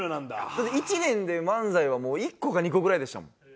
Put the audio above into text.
だって１年で漫才はもう１個か２個ぐらいでしたもん。